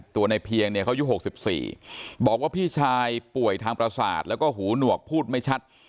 ตัวในเพียงเนี่ยเขายุค๖๔บอกว่าพี่ชายป่วยทางประสาทแล้วก็หูหนวกพูดไม่ชัด